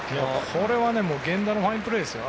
これは源田のファインプレーですよ。